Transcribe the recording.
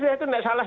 itu tidak salah